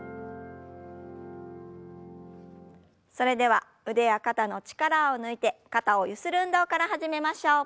それでは腕や肩の力を抜いて肩をゆする運動から始めましょう。